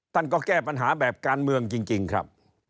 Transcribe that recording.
ท่านก็แก้ปัญหาแบบการเมืองจริงครับ